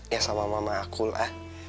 ya sama mama akulah